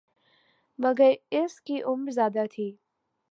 مگر اس کی عمر زیادہ تھی